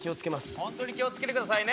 本当に気を付けてくださいね。